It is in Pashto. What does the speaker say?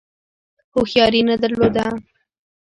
هوښیاري نه درلوده.